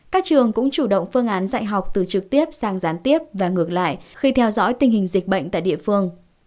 các trường cũng chủ động phương án dạy học từ trực tiếp sang gián tiếp và ngược lại khi theo dõi tình hình dịch bệnh tại địa phương